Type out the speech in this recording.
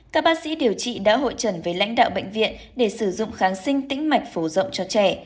các bác sĩ điều trị đã hội trần với lãnh đạo bệnh viện để sử dụng kháng sinh tĩnh mạch phổ rộng cho trẻ